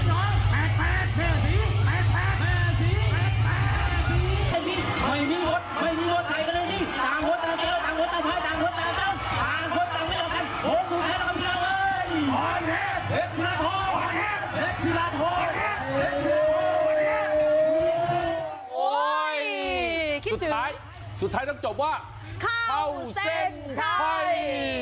สุดท้ายสุดท้ายต้องจบว่าเข้าเส้นชัย